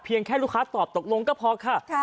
แค่ลูกค้าตอบตกลงก็พอค่ะ